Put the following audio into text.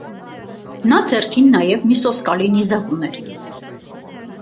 Նա ձեռքին նաև մի սոսկալի նիզակ ուներ։